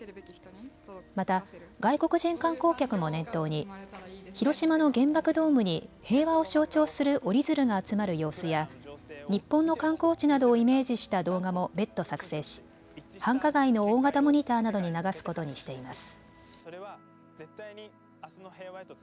また外国人観光客も念頭に広島の原爆ドームに平和を象徴する折り鶴が集まる様子や日本の観光地などをイメージした動画も別途作成し繁華街の大型モニターなどに流すことにしています。